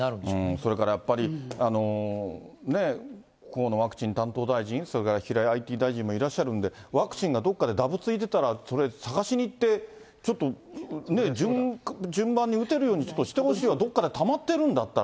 それからやっぱり、河野ワクチン担当大臣、それから平井ＩＴ大臣もいらっしゃるんで、ワクチンがどこかでだぶついてたら、それ、探しに行って、ちょっと、順番に打てるようにしてほしい、どっかでたまってるんだったら。